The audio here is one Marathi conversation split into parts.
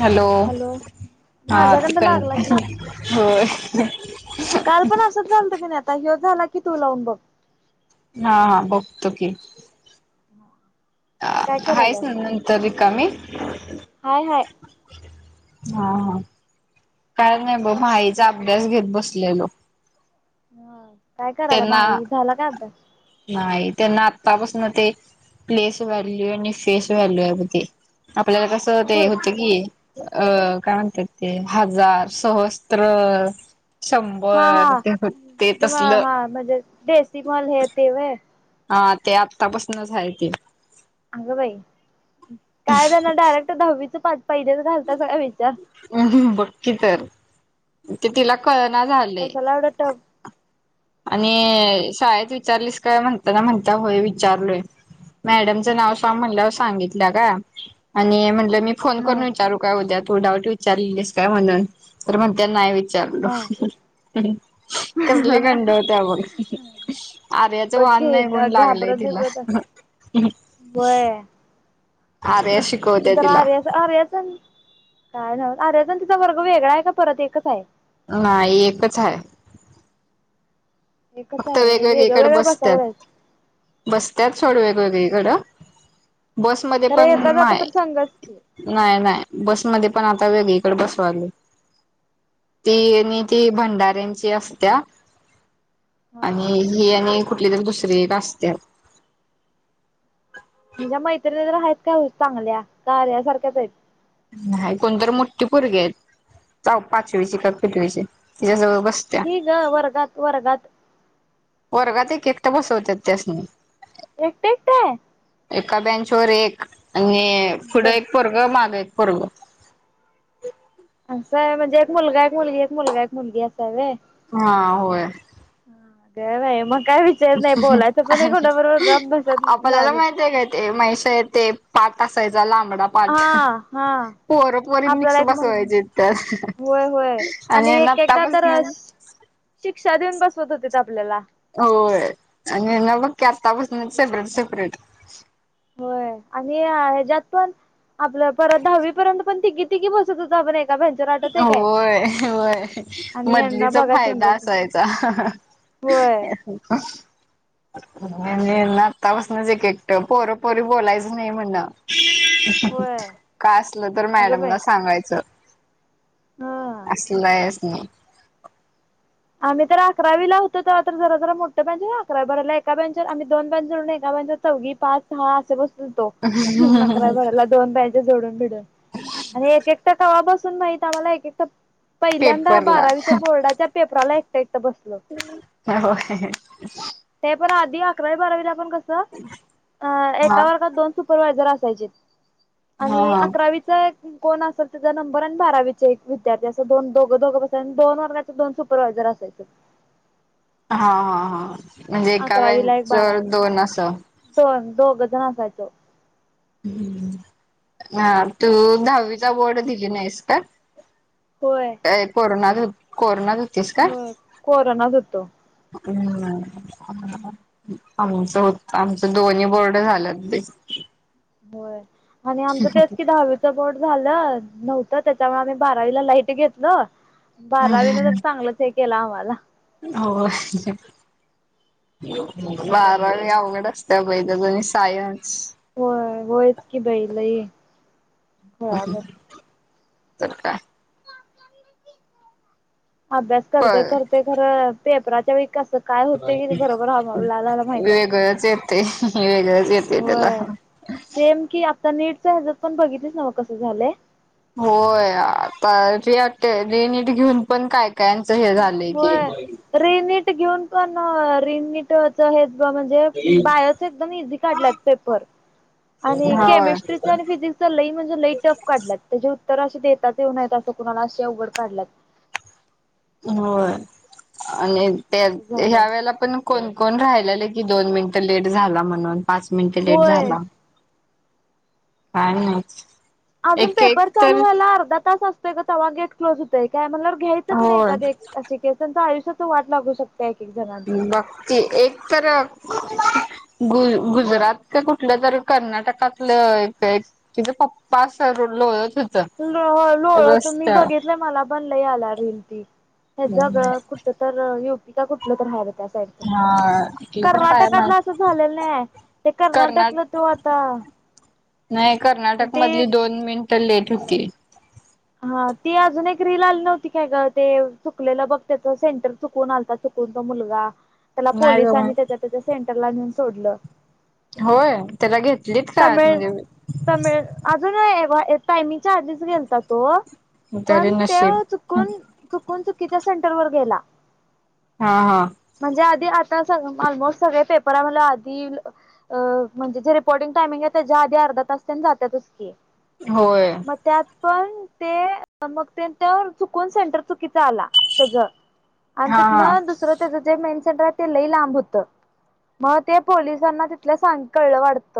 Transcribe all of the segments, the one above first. हॅलो हा ती माझ्याकडन कनेक्ट लागला नाय की झाली होय. काल पण असंच झालतं की आता हो झाला की तो लाऊन बघा. हा हा बघतो की. ह अ आहेस ना नंतर रिकामी? हाय हाय. हा हा. काय नाय बघ भाईचा अभ्यास घेत बसलेलो. हा काय करायला त्यांना माई झाला का अभ्यास? नाही त्यांना आतापासून ते प्लेस व्हॅल्यू आणि फेस व्हॅल्यू यामध्ये आपल्याला कसं ते होय होतं की अ काय म्हणतात ते हजार सहस्त्र हा शंभर ते ते हा तसलं हा म्हणजे देसी मल हे ते व हा ते आत्तापासूनच हाय ते अग बाई! काय त्यांना डायरेक्ट दहावीचं पाच पहिलेच घालता सग विचार बक्की तर ते तिला कळना झाली. कसाला एवढा टब आणि शाळेत विचारलीस काय? म्हणताना म्हणता होय विचारलोय. मॅडमचं नाव स्वा म्हणलं सांगितलं का आणि म्हणलं मी फोन हा करून विचारू काय उद्या तू डाऊट विचारलीस काय म्हणून तर मग त्या नाही विचारल हा कसले खंड होत ब आर्याचं बघ वान की नाही गुण लागलय घाबरत तिला. बिबरत आर्या शिकवत्या तिला आर्या आरयचन काय नव्हत आरयचन तिचा वर्ग वेगळा आहे का परत एकच आहे. नाही एकच हाय. एकच फक्त आहे व्हय वेगवेगळे वेगळं इकडे वेगळ्या बसवल्यात बसतात बसत्यात सोड हा वेगवेगळे. गड बसमध्ये खरं पण येता जाता नाय. तर संघच की नाय नाय बसमध्ये पण आता वेगळीकडे बसवाली ती हा आणि ती भंडार्यांचे असत्या हा आणि ही आणि कुठली तरी दुसरी असत्यात. म्हणझ्या मैत्रिणी तर आहेत काय हो चांगल्या का यासारख्याच आहेत. नाही कोणत मोठीे पोरगी आहेत जा पाचवीचे का कितवीचे तिच्याजवळ बसते. ही ग वरगाात वरगात वर्गात एक एकट बसवतात त्यास नाही. एक ते एका बँचवरर एक आणि अगं पुढं बाई एक पोरगं मागं एक पोरग. असं आहे म्हणजे एक मुलगा एक मुलगी एक मुलगा एक मुलगी असा आहेे. हा होय. हा का नाही मग काय विचारत नाही बोलायचं पण कोठ बरोबर गप भसत आपल्याला लागल माहित आहे काय ते म्हहिश ते पाठ असायचा लांबडा पाठ हा हा पोरपोरीत मिक्स आपल्याला एक मुलगा बसवायचे होय होय तरत आणि एक एकदा आतापसून तर शिक्षा देऊन बसवत होते ते आपल्याला होय आणि ना बघ की आत्तापासूनच सेपरेट, सेपरेट होय आणि ह्याच्यात पण आपलं परत दहावी पर्यंत. पण तिकी तिकी बसत होता आपण एका प होय होय आणि यांना मजलीचा बघा फायदा सिंगल असायचा. होय [inaudible] ना आत्तापासन जकेट पोरपोरी बोलायचं नाही म्हणण होय काय असलं तर अगं बाई मॅडमला सांगायचं. हा असल आहे ह्यासनी. आम्ही तर अकरावी ला होतो तर जरा जरा मोठ्या बँचवर अकरावी भराला एका बँचवरम् दोन बेंच एका बँवर चौ पाच सहा असे बस मला दोन जोडून भिडून आणि एक एकट कावा बसून माहित आम्हाला एक एकट. पहिल्यांदा पेपरला बारावीच्या बोर्डाच्या पेपराला एकटं एकटं बसलं. होई. ते पण आधी अकरावी बारावीला आपण कसं अ हा हा एका वर्गात दोन सुपर वायझर असायचे हा आणि अकरावीचा कोण असेल त्याचा नंबर आणि बारावीचे एक विद्यार्थी असं दोन दो दोघ ब दोन वर्गाचे दोन प्रयजर असायचं हा हा हा म्हणजे एका ब्याच दोन असं हो दोघजण असायचो ह तू दहावीचा बोर्ड दिले नाहीस का? होय. कोरोना कोरोनात होतीस का? होय कोरोनाच होतो हम्म. आमचं होत आमचं दोन्ही बोर्ड झालंत होय आणि आमचं तेच दहावीत बोट झालं नव्हतं त्याच्यामुळे आम्ही बारावीला लाईट घेतलं बारावीन तर चांगलंच हे केला आम्हाला हो काय नव्हच बारावी अवघड असती त्या पहिला द सायन्स होय होयच की बाई लई खुळा गत तर काय? अभ्यास प करत करत खरं पेपराच्या वसत काय होते की ते बरोबर लालाला माहित असते ते तेग होय सेम की आता नीटच हजत पण बघितलीच ना म कसं झालं होय आता रे वाटते र नीट घेऊन पण काय काच हे झालंय की होय रिनीट घेऊन काण रिननीटच हे बा म्हणज ते बायाचा एकदम इझी काढले पेपर होय केमिस्ट्री आणि फिजिक्स लई म्हणजे लई टफ काढलात त्याचे उत्तर असे देतात येऊ नयेत असं कुणाला अे अवघड काढला होय आणि त्या असं झालंय ह्या वेळेला पण कोण कोण राहिलेले की दोन मिनिटं लेट झाला म्हणून पाच मिनिटं लेट होय झाला काय नाहीच अजून पेपर चालू व्हायला अर्धा तास असतोय ग तवा गेट क्लोज होतय काय म्हणल्यावर घ्यायचं नाही होय कधी अ त्यांच आयुष्यात वाट लागू शकताय एक एक जण बघती एक तर गु गुजरात कुठलं जरी कर्नाटकातलं तिथे पप्पा सरलो लोळ तुम्ही बघितलंय मला बनलं याला रिल ती हेच ग कुठ तर युपी का कुठलं तर हाय बघ त्या साईड हा कुठलं तर हाय ना कर्नाटकातलं असं झालेलं नाही ते कर्नाट कर्नाटकला तो आता नाही कर्नाटक ते मधली दोन मिनटं लेट होती हा ती अजून एक रिल आली नव्हती काय का ते चुकलेलं बघ त्याच सेंटर चुकवून आलता तो मुलगा त्याला नाही ग पोलिसांनी मग त्याच्या त्याच्या सेंटरला नेऊन सोडलं होय त्याला घेतलीत काय आत तमिळ मध्ये अजून टामिंगच्या आधीच गेलाता तो तरी पण ते नशीब चुकून चुकून चुकीच्या सेंटर वर गेला हा हा. म्हणजे आधी आता स ऑलमोस्ट सगळे पेपर आहे म्हटल्यावर आधी म्हणजे अकॉर्डिं टाइमिंग आहे त्याच्या आधी अर्धा तासताने जातत कि होय. मग त्यात पण ते मग चुकून सेंटर चुकीचा आला त्याच आणि हा त्यात हा ना दुसरं त्याच जे मेन सेंटर आहे तेही लांब होतं मग ते पोलिसांना तिथ सांग कळलं वाटत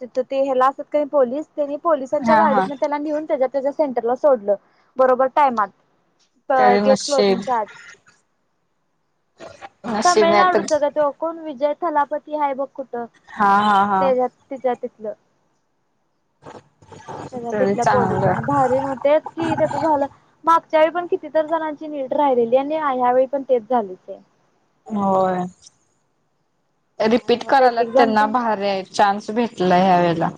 तिथ ते हेला असत्यात पोलीस त्यांनी पोलिसांच्या हा हा गाडीत त्याला नेऊन तेच्यात त्या सेंटरला सोडल बरोबर टाइमात तरी गेट क्लोिंजीग नशीब च्या आत. नशीब नाही तर तमिळनाडूच ग त्यो कोण विजय थलापती आहे बघ कुठं हा हा हा तेजात. तिच्या तिथलं त्याच्या तरी तिथल्या चांगलं पोलिसांनी भारी होते? कि त्याच झालं मा मागच्या वेळी पण कितीतर जणांची नीट राहिलेली आणि ह ह्या वेळी पण तेच झाले. होय काय रिपीट नव्हच करा एक करलयात एक जण त्यांना तर भारी हाय. चान्स भेटला ह्या वेळेला?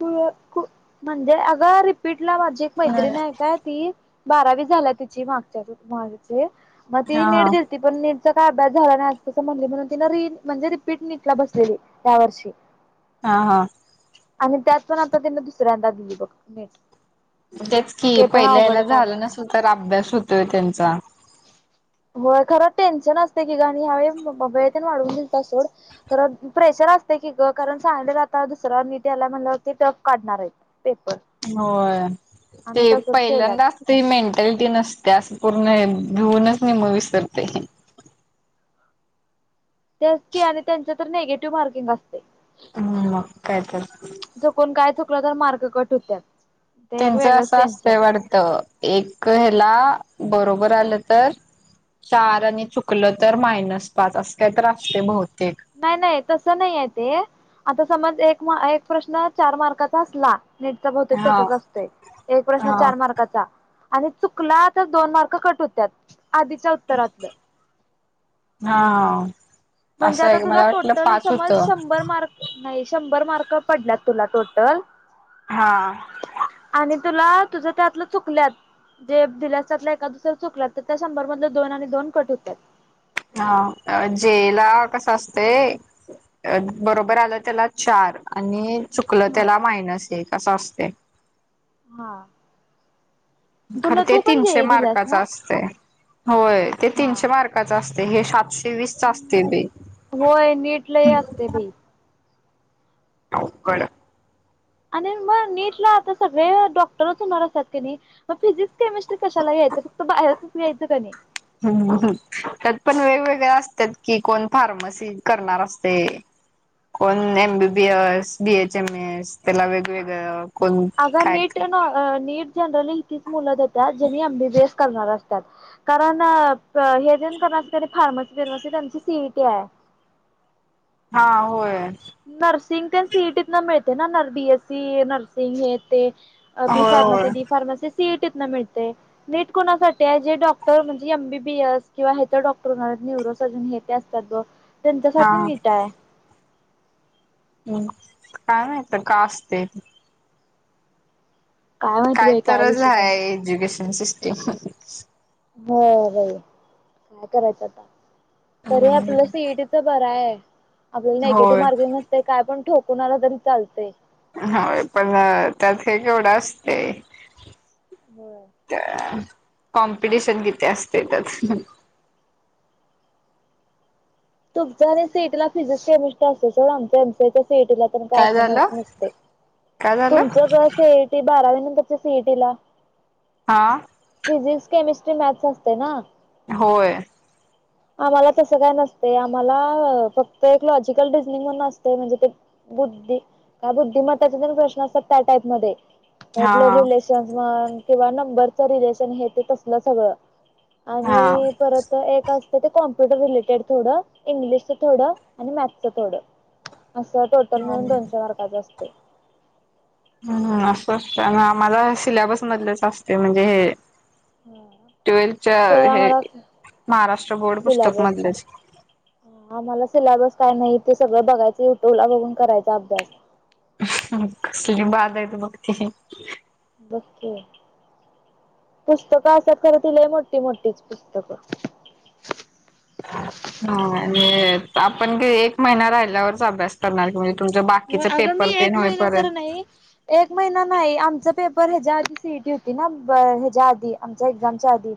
कुळु म्हणजे अगं रिपीट ला माझी एक मैत्रिण आहे काय? ती बारावी झाल्या तिची मागच्या मागचे मग ती नीट हा दी- ती पण नीटचा काय अभ्यास झाला नाही अस तंस म्हणली म्हण तिने र म्हणजे रिपीट नीटला बसलेली त्या वर्षी. हा हा आणि त्यात पण आता त्यां दुसऱ्यांदा दिली बघ नेट ण तेच कि पहिल्याला काढल्या झालं म्हणे. नसल तर अभ्यास होतोय त्यांचा. होय खरं टेन्शन असतय की आणि द्या वेळी वेळ तेन वाढून दिलता सोड. खरं प्रेशर असतय की ग कारण सांगितल्या आता दुसऱ्या नीट याला म्हणल्यावर ते टप काढणार आहेत. पेपर होय ते आणि तसंच केल्यात पहिल्यांदा ती मेंटॅलिटी नसते असं पूर्ण भिऊनच निम विसरते ते असते आणि त्यांच तर निेगेटिव्ह मार्किंग असते. हम्म मग काय तर चकून काय चुकलं तर मार्क कट होत्या त्यांचं असं असतंय वाटतं एक ह्याला बरोबर आलं तर चार आणि चुकलं तर मायनस पाच असं काही त असतय बहुतेक नाही नाही तस नाहीय ते आता समज एक एक प्रश्न चार मार्काचा असला? नेटचा बहुतेक हा तसाच असतोय एक प्रश्न हा चार मार्काचा आणि चुकला तर दोन मार्क कट होत्यात आधीच्या सरांच. हा म्हणजे असं आता आहे तुला मला वाटलं टोटल पाच समज होतं. शंभर मार्क नाही शंभर मार्क पडल्यात तुला टोटल हा आणि तुला तुझं त्यातलं चुकल्यात? जे दिलासातला एका दुसऱ चुकला तर त्या शंभर मधल दोन आणि दोन कट होतात. हा जेला कस असतय बरोबर आलं त्याला चार आणि चुकलं हा त्याला मायनस एक असं असतय हा खर तुला ते तू पण तीनशे जेई दिलास मार्काचं ना असतय? होय ते हा तीनशे मार्काचं असतय हे सातशे वीस असतय बाई. होय नीट लय असते बाई? अवघड. आणि मग नीटला आता सगळे डॉक्टरच होणार असत्यात कनी. मग फिजिक्स केमिस्ट्री कशाला घ्यायच फक्त बाहेरातच यायचं कनी. त्यात पण वेगवेगळ्या असतात कि कोण फार्मसी करणार असतय. कोण एमबीबी एस बीएच एमएस त्याला वेगवेगळं- कोण अग काय नीट नीट जनरली हेचीच मुल देत्यात जेनी एमबीबीएस. करणार असत्यात कारण हे तेन करणार फार्मसी ब्रिमसी त्यांची सीईटी आहे? हा होय नर्सिंग ते सीएटी मिळतय ना नर बीएससी नर्सिंग हे ते. बी होय फार्मसी होय. डी फार्मसी सीएटी इथन मिळतय. नीट कोणासाठी आहे जे डॉक्टर म्हणजे एमबीबीएस किंवा हेज डॉक्टर होणार न्युरोसर्जन हे- हा त्यांच्यासाठी नीट आहे. हम्म काय माहीती काय असतय. माहिती काय बाई तरच विषय आहे त्यांचा. Education system. होर काय करायचं आता तरी हम्म आपल्या सट. बर आहे आपल्याला नेगेटिव्ह होय मार्किंग नसते काय पण ठोकणारला तरी चालतं. होय पण त्यात हे केवढं असते. हो. कॉम्पिटिशन किती असते त्याच. तुमचा आणि सीटीला फिजिक्स केमिस्ट्री असत सो आमच्या एमसीच्या सीटीला का काय असं झालं नसते काय झालं तुमचं सीयटी बारावी नंतरच्या सीटी ला हा फिजिक्स केमिस्ट्री मॅथ्स असते ना होय. आम्हाला तसं काय नसत. ते आम्हाला फक्त एक लॉजिकल रिजनिंग म्हण न असते म्हणजे ते बुद्धी का बुद्धिमताचे जण प्रश्न असतात त्या टाईपमध्येध्ये हा ब्लव रिलेशन्स म्हण किंवा नंबरचं रिलेशन हे ते तसलं सगळं हा आणि हा परत एक असतय ते कॉम्प्युटर रिलेटेड. थोडं इंग्लिशच थोडं आणि मॅथचं थोड असं टोटल म्हणून दोनशे मार्क. त्याच असते. हम् असं असतं आम्हाला सिलेबस मधलच असते म्हणजे हे ट्वेल्थच्या तर हे आम्हाला महाराष्ट्र बोर्ड पुस्तक सिलॅबस मधलेच आम्हाला सिलेबस काय नाही ते सगळं बघायचं युट्यूब ला बघून करायचा अभ्यास कसली बाध आहे त मग त. बकू पुस्तकं असात खरं तय मोठी मोठीच पुस्तकं ह आणि आपण एक महिना राहिल्यावरच अभ्यास करणार क तुमच्या बाकीच अगं मी पेपर ते न एक महिना तर होईपर्यंत नाही एक महिना नाही आमचा पेपर ह्याच्या आधी सीटी होती ना ह्याच्या आधी आमच्या एक्झामच्या आधी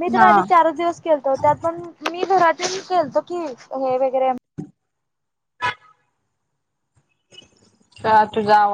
मी तर आधी हा चारच दिवस केलतो त्यात पण मी घरातून केलतो की हे वगरे का तू जा